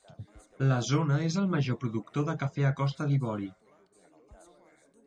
La zona és el major productor de cafè a Costa d'Ivori.